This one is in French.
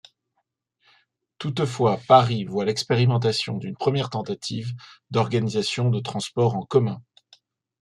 Toutefois, Paris voit l'expérimentation d'une première tentative d'organisation de transports en commun.